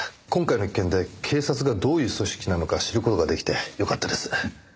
今回の一件で警察がどういう組織なのか知る事が出来てよかったです。